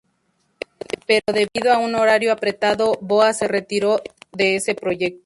Pero debido a un horario apretado, BoA se retiró de ese proyecto.